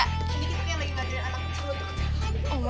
satu dua tiga